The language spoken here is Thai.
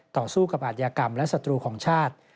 ต่อสู้กับอาทยากรรมและศัตรูของชาติ